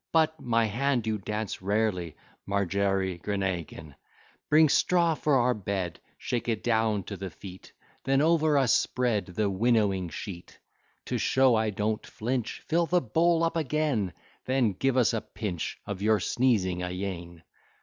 But, my hand, you dance rarely. Margery Grinagin. Bring straw for our bed, Shake it down to the feet, Then over us spread The winnowing sheet. To show I don't flinch, Fill the bowl up again: Then give us a pinch Of your sneezing, a Yean.